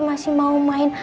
masih mau main